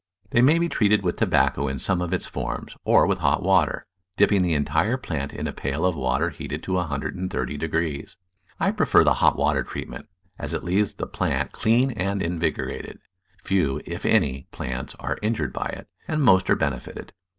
They may be treated with tobacco in some of its forms, or with hot water — dipping the entire plant in a pail of water heated to 130 . I prefer the hot water treatment, as it leaves the plant clean and invigorated. Few, if any, plants are injured by it, and most are benefited.